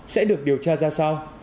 sẽ được điều tra ra sao